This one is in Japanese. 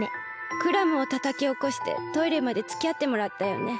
クラムをたたきおこしてトイレまでつきあってもらったよね。